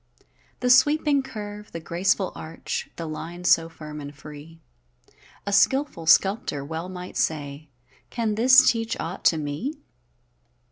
The sweeping curve, the graceful arch, The line so firm and free; A skilful sculptor well might say: "Can this teach aught to me?"